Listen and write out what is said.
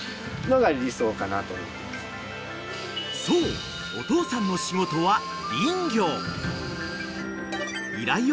［そうお父さんの仕事は］